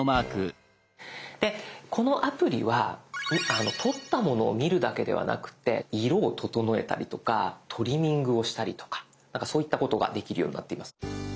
でこのアプリは撮ったものを見るだけではなくて色を整えたりとかトリミングをしたりとかそういったことができるようになっています。